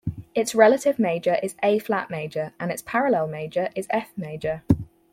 Its relative major is A-flat major, and its parallel major is F major.